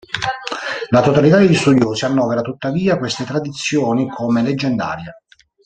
La totalità degli studiosi annovera tuttavia queste tradizioni come 'leggendarie'.